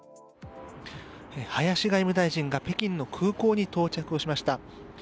林外務大臣が北京の空港に到着しました。